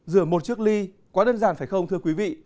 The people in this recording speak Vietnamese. rửa một chiếc ly quá đơn giản phải không thưa quý vị